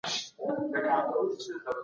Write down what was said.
موږ یوې رښتینې ملي اجماع ته اړتیا لرو.